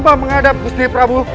apa menghadap gusti prabu